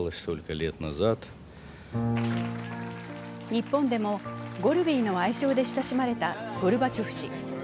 日本でもゴルビーの相性で親しまれたゴルバチョフ氏。